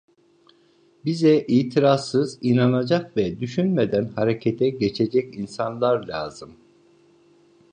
Bize, itirazsız inanacak ve düşünmeden harekete geçecek insanlar lazım!